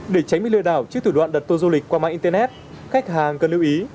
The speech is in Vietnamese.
để tránh bị lừa đảo trước thủ đoạn đặt tour du lịch qua mạng internet khách hàng cần lưu ý